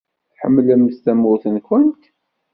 Tḥemmlemt tamurt-nwent?